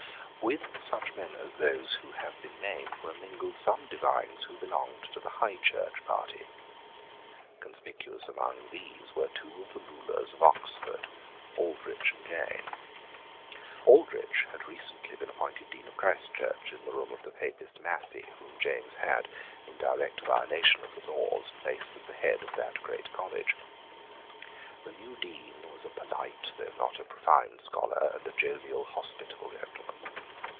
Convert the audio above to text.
With such men as those who have been named were mingled some divines who belonged to the High Church party. Conspicuous among these were two of the rulers of Oxford, Aldrich and Jane. Aldrich had recently been appointed Dean of Christchurch, in the room of the Papist Massey, whom James had, in direct violation of the laws, placed at the head of that great college. The new Dean was a polite, though not a profound, scholar, and a jovial, hospitable gentleman.